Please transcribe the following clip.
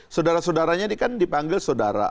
saudara saudaranya ini kan dipanggil saudara